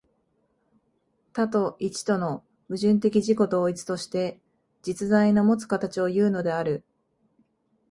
多と一との矛盾的自己同一として、実在のもつ形をいうのである。